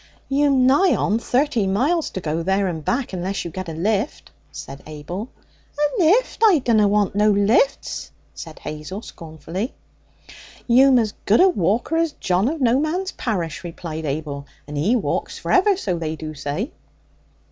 'You'm nigh on thirty miles to go there and back, unless you get a lift,' said Abel. 'A lift? I dunna want never no lifts!' said Hazel scornfully. 'You'm as good a walker as John of No Man's Parish,' replied Abel, 'and he walks for ever, so they do say.'